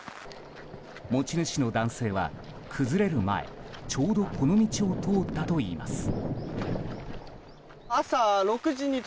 持ち主の男性は崩れる前ちょうど、この道を通ったといいます。